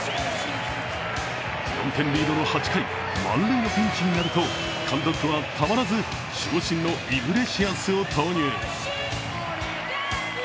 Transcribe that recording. ４点リードの８回、満塁のピンチになると監督はたまらず守護神のイグレシアスを投入。